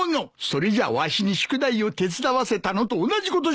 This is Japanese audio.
それじゃわしに宿題を手伝わせたのと同じことじゃないか！